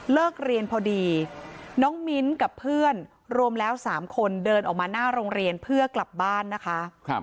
เรียนพอดีน้องมิ้นกับเพื่อนรวมแล้ว๓คนเดินออกมาหน้าโรงเรียนเพื่อกลับบ้านนะคะ